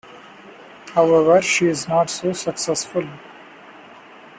However she is not so successful.